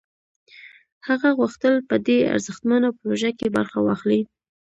هغه غوښتل په دې ارزښتمنه پروژه کې برخه واخلي